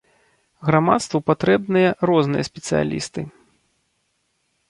Грамадству патрэбныя розныя спецыялісты.